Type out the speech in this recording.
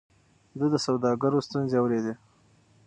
ده د سوداګرو ستونزې اورېدې.